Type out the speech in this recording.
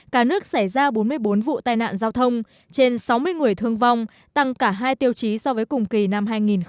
cả nước xảy ra bốn mươi bốn vụ tai nạn giao thông trên sáu mươi người thương vong tăng cả hai tiêu chí so với cùng kỳ năm hai nghìn một mươi tám